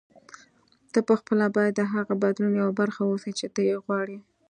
ته پخپله باید د هغه بدلون یوه برخه اوسې چې ته یې غواړې.